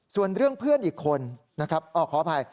ส่วนเรื่องเพื่อนอีกคนนะครับขออภัย